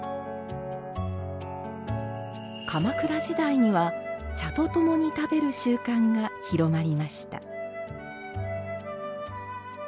鎌倉時代には茶と共に食べる習慣が広まりました。